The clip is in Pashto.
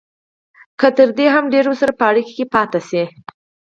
که تر دې هم ډېر ورسره په اړیکه کې پاتې شي